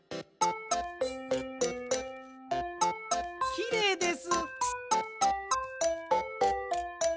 きれいです。